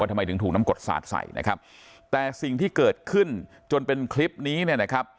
ทำไมถึงถูกน้ำกรดสาดใส่นะครับแต่สิ่งที่เกิดขึ้นจนเป็นคลิปนี้เนี่ยนะครับ